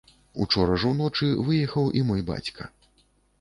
Учора ж уночы выехаў і мой бацька.